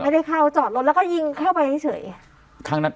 ไม่ได้เข้าจอดรถแล้วก็ยิงเข้าไปเฉย